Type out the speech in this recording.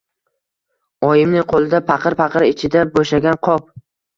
Oyimning qo‘lida paqir, paqir ichida bo‘shagan qop...